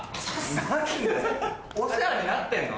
お世話になってんの？